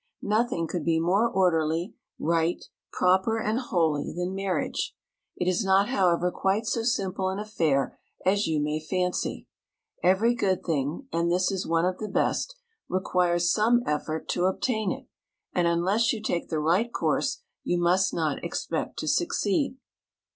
Nothing can be more orderly, right, proper, and holy than marriage. It is not, however, quite so simple an affair as you may fancy. Every good thing (and this is one of the best) requires some effort to obtain it, and unless you take the right course you must not expect to succeed.